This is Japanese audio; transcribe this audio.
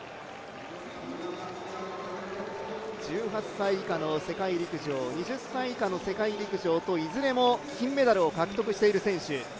１８歳以下の世界陸上、２０歳以下の世界陸上といずれも金メダルを獲得している選手。